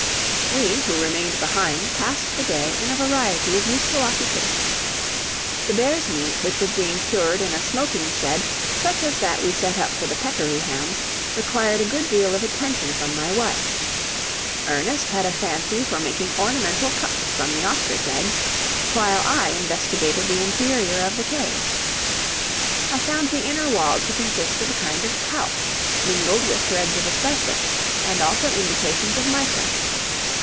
We, who remained behind, passed the day in a variety of useful occupations. The bears' meat, which was being cured in a smoking shed such as that we set up for the peccary hams, required a good deal of attention from my wife. Ernest had a fancy for making ornamental cups from the ostrich eggs, while I investigated the interior of the cave. I found the inner wall to consist of a kind of talc, mingled with threads of asbestos, and also indications of mica.